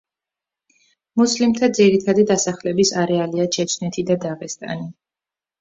მუსლიმთა ძირითადი დასახლების არეალია ჩეჩნეთი და დაღესტანი.